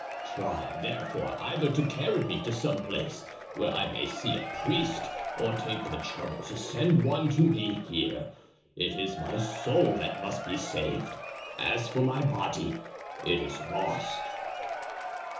Try, therefore, either to carry me to some place where I may see a priest or take the trouble to send one to me here. It is my soul that must be saved; as for my body, it is lost."